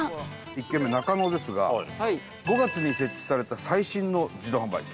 １軒目、中野ですが５月に設置された最新の自動販売機。